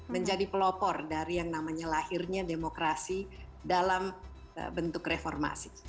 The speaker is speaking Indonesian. menjadi pelopor dari yang namanya lahirnya demokrasi dalam bentuk reformasi